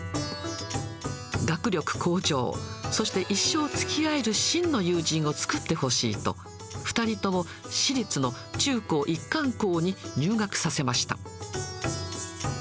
学力向上、そして一生つきあえる真の友人を作ってほしいと、２人とも、私立の中高一貫校に入学させました。